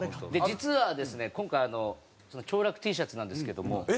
実はですね今回その兆楽Ｔシャツなんですけども。